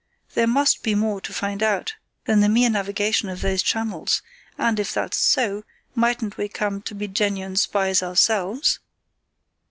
There must be more to find out than the mere navigation of those channels, and if that's so, mightn't we come to be genuine spies ourselves?"